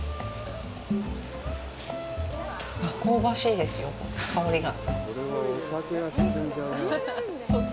あっ、香ばしいですよ、この香りが。